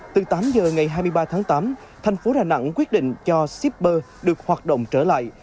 từ tám giờ ngày hai mươi ba tháng tám thành phố đà nẵng quyết định cho shipper được hoạt động trở lại